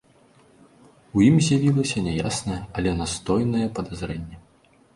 У ім з'явілася няяснае, але настойнае падазрэнне.